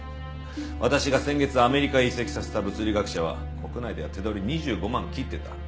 私が先月アメリカへ移籍させた物理学者は国内では手取り２５万切ってた。